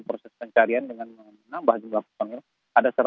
proses pencarian dengan menambah jumlah korban akibat bencana